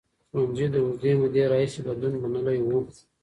ښوونځي د اوږدې مودې راهیسې بدلون منلی و.